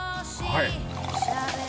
はい？